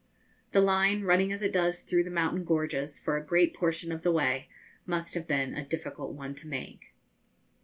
The line, running as it does through mountain gorges for a great portion of the way, must have been a difficult one to make.